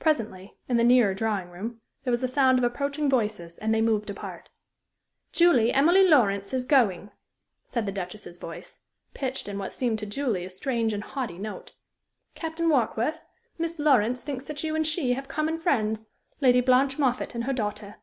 Presently, in the nearer drawing room, there was a sound of approaching voices and they moved apart. "Julie, Emily Lawrence is going," said the Duchess's voice, pitched in what seemed to Julie a strange and haughty note. "Captain Warkworth, Miss Lawrence thinks that you and she have common friends Lady Blanche Moffatt and her daughter."